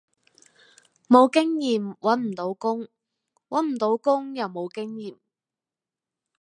無經驗搵唔到工，搵唔到工又無經驗